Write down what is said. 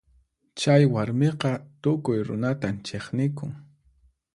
Chay warmiqa tukuy runatan chiqnikun.